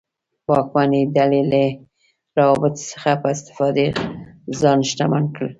واکمنې ډلې له روابطو څخه په استفادې ځان شتمن کړ.